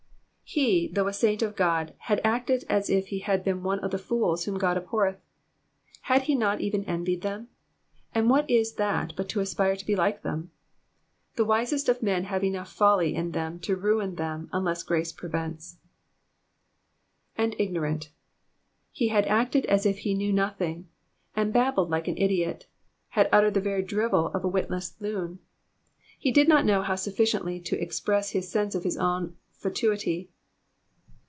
He, though a saint of God, had acted as if he had been one of the fools whom God abhorreth. Had he not even envied them? — and what is that but to aspire to be like them? The wisest of men have enough folly in them to ruin them unless grace prevents. ''''And ignorant.'' "* He had acted as if he knew nothing, had babbled like an idiot, had uttered the very drivel of a witless loon. He did not know how sufficiently to express his sense of his own fatuity.